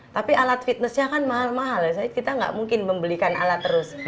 tapi alat fitnessnya kan mahal mahal kita nggak mungkin membelikan alat terus